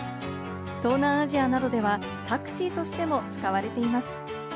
東南アジアなどではタクシーとしても使われています。